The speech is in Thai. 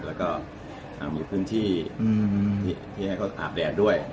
แล้วก็มีพื้นที่ที่ให้เขาอาบแดดด้วย